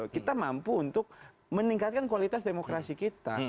kita mampu untuk meningkatkan kualitas demokrasi kita